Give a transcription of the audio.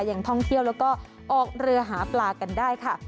ยังท่องเที่ยวแล้วก็ออกเรือหาปลากันได้ค่ะ